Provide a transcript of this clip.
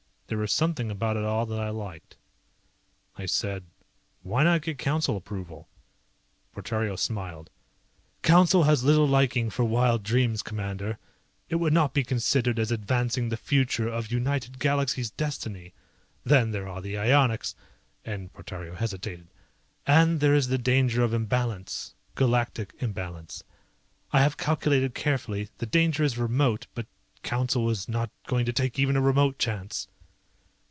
There was something about it all that I liked. I said, "Why not get Council approval?" Portario smiled. "Council has little liking for wild dreams, Commander. It would not be considered as advancing the future of United Galaxies' destiny. Then there are the ionics." And Portario hesitated. "And there is the danger of imbalance, Galactic imbalance. I have calculated carefully, the danger is remote, but Council is not going to take even a remote chance."